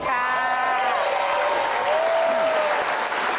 กัปตีน